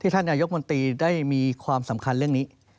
รัฐมนตรีได้มีความสำคัญเรื่องนี้